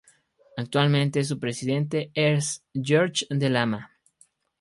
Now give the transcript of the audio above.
Actualmente su presidente es George de Lama.